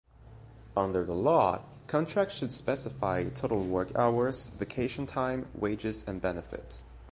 Under the law, contracts should specify total work hours, vacation time, wages, and benefits.